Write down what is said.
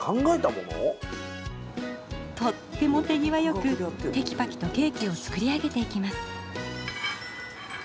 とっても手際よくテキパキとケーキを作り上げていきます。